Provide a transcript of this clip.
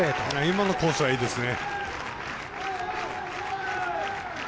今のコースはいいですね。